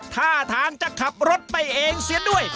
ท่าทางจะขับรถไปเองเสียด้วย